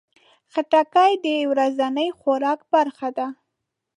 خټکی د ورځني خوراک برخه ده.